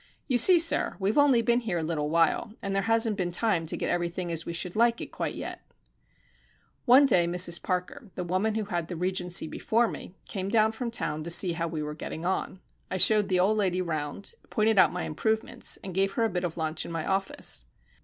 "You see, sir, we've only been here a little while, and there hasn't been time to get everything as we should like it quite yet." One day Mrs Parker, the woman who had the Regency before me, came down from town to see how we were getting on. I showed the old lady round, pointed out my improvements, and gave her a bit of lunch in my office.